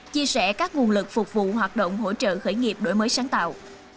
chia sẻ các nguồn lực phục vụ hoạt động hỗ trợ khởi nghiệp đổi mới sáng tạo